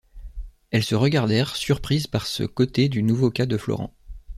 Elles se regardèrent, surprises par ce côté du nouveau cas de Florent.